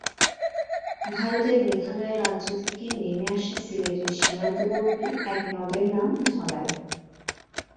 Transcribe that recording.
ভারতের মেঘালয় রাজ্য থেকে নেমে আসা সিলেটের সীমান্তবর্তী এক নদের নাম ধলাই।